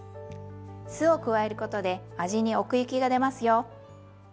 酢を加えることで味に奥行きがでますよ。